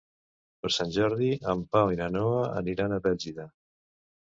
Per Sant Jordi en Pau i na Noa aniran a Bèlgida.